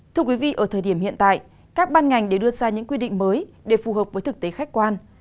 thưa quý vị ở thời điểm hiện tại các ban ngành đều đưa ra những quy định mới để phù hợp với thực tế khách quan